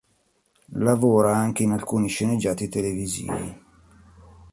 Lavora anche in alcuni sceneggiati televisivi.